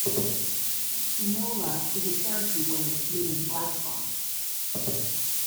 "Inola" is a Cherokee word meaning "Black Fox.